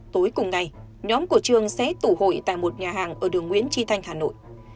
tối cùng ngày nhóm của trường sẽ tụ hội tại một nhà hàng ở đường nguyễn tri thanh hà nội